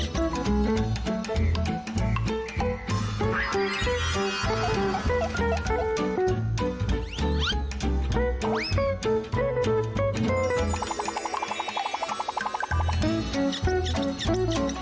โปรดติดตามตอนต่อไป